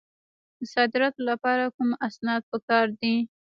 د صادراتو لپاره کوم اسناد پکار دي؟